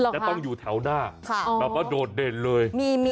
จะต้องอยู่แถวหน้าแบบว่าโดดเด่นเลย